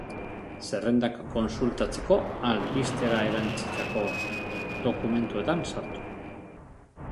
Zerrendak kontsultatzeko, albistera erantsitako dokumentuetan sartu.